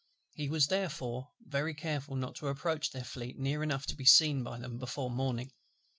He was therefore very careful not to approach their Fleet near enough to be seen by them before morning.